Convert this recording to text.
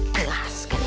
gak usah bi